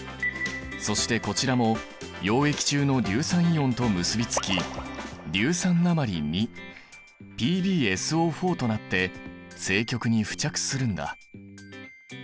そしてこちらも溶液中の硫酸イオンと結び付き硫酸鉛ＰｂＳＯとなって正極に付着するんだ。